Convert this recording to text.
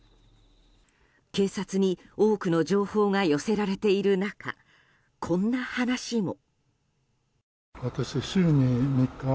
警察に多くの情報が寄せられている中、こんな話も。